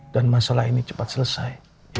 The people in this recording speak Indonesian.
dan masalah ini cepat selesai